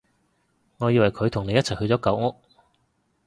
我以為佢同你一齊去咗舊屋